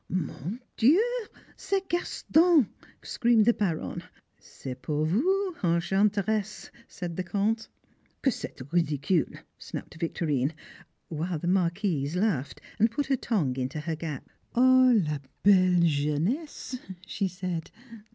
"Mon Dieu! C'est Gaston!" screamed the Baronne. "C'est pour vous, Enchanteresse," said the Comte. "Que c'est ridicule," snapped Victorine, while the Marquise laughed and put her tongue into her gap. "Oh! la belle jeunesse!" she said.